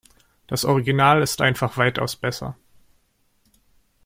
Das Original ist einfach weitaus besser.